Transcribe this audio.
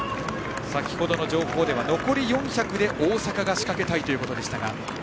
先程の情報では残り４００で大阪が仕掛けたいということで。